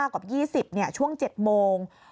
กว่า๒๐ช่วง๗โมง